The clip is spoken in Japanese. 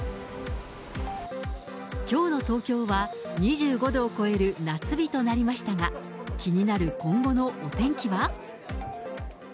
きょうの東京は、２５度を超える夏日となりましたが、気になる今後のお天気は。